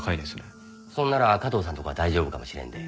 そんなら加藤さんのとこは大丈夫かもしれんで。